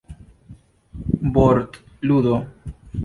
vortludo